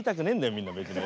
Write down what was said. みんな別に。